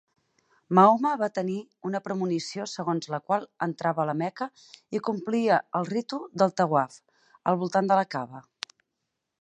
Mahoma va tenir una premonició segons la qual entrava la Meca i complia el ritu del tawaf al voltant de la Kaba.